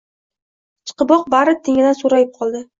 Chiqiboq, bari tengdan so‘rrayib qoldi